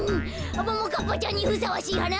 「ももかっぱちゃんにふさわしいはな」